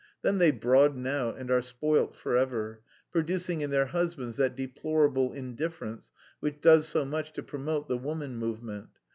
then they broaden out and are spoilt forever... producing in their husbands that deplorable indifference which does so much to promote the woman movement...